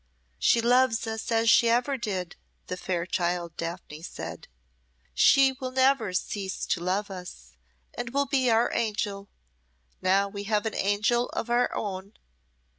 "She loves us as she ever did," the fair child Daphne said; "she will never cease to love us, and will be our angel. Now have we an angel of our own."